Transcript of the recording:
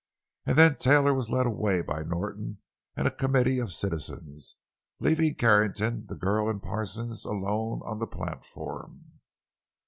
And then Taylor was led away by Norton and a committee of citizens, leaving Carrington, the girl and Parsons alone on the platform.